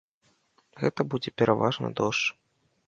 Гэта будзе пераважна дождж.